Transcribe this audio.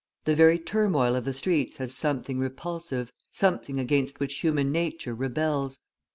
The very turmoil of the streets has something repulsive, something against which human nature rebels.